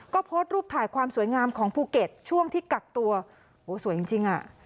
ก็โพสต์รูปถ่ายความสวยงามของภูเก็ตช่วงที่กักตัวโอ้โหสวยจริงจริงอ่ะ